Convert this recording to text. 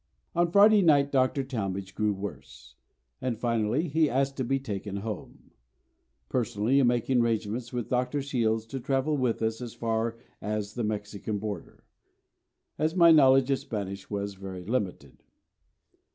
On Friday night Dr. Talmage grew worse; and finally he asked to be taken home, personally making arrangements with Dr. Shields to travel with us as far as the Mexican border, as my knowledge of Spanish was very limited.